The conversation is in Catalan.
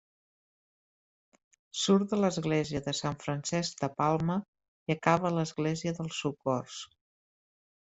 Surt de l'església de Sant Francesc de Palma i acaba a l'Església dels Socors.